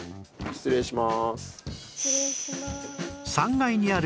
失礼します。